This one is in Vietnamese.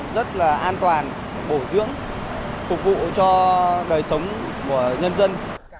rất là an toàn bổ dưỡng phục vụ cho đời sống của nhân dân